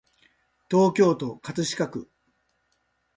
東京都葛飾区